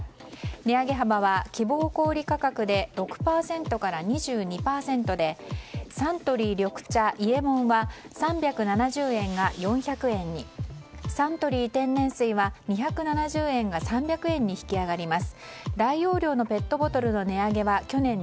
値上げ幅は希望小売価格で６％から２２％でサントリー緑茶伊右衛門は３７０円が４００円にサントリー天然水は２７０円が３００円に引き上がります。